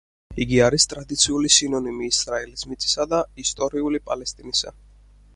იგი არის ტრადიციული სინონიმი ისრაელის მიწისა და ისტორიული პალესტინისა.